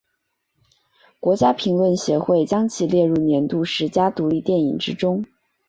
国家评论协会将其列入年度十佳独立电影之中。